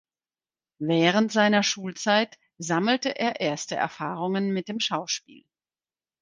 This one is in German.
Während seiner Schulzeit sammelte er erste Erfahrungen mit dem Schauspiel.